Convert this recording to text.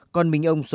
còn mình ông sống sót